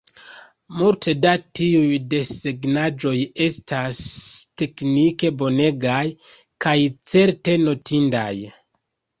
Multe da tiuj desegnaĵoj estas teknike bonegaj kaj certe notindaj.